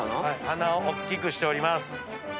鼻をおっきくしております。